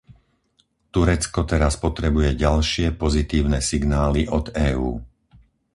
Turecko teraz potrebuje ďalšie pozitívne signály od EÚ.